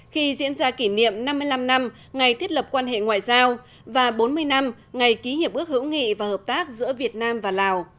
khi diễn ra kỷ niệm năm mươi năm năm ngày thiết lập quan hệ ngoại giao và bốn mươi năm ngày ký hiệp ước hữu nghị và hợp tác giữa việt nam và lào